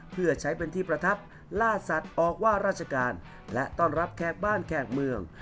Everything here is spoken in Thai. เพื่อใช้เป็นที่ประทับล่าสัตว์ออกว่าราชการและต้อนรับแขกบ้านแขกเมือง